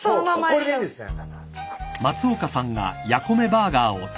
これでいいんですね。